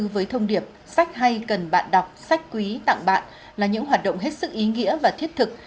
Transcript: với thông điệp sách hay cần bạn đọc sách quý tặng bạn là những hoạt động hết sức ý nghĩa và thiết thực